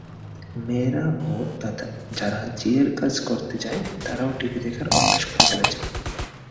মেয়েরাও, যারা ঝিয়ের কাজ করতে যায়, তারাও টিভি দেখার অভ্যেস করে ফেলেছে।